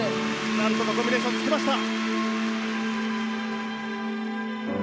なんとかコンビネーションつけました！